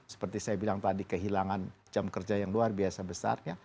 seperti saya bilang tadi kehilangan jam kerja yang luar biasa besarnya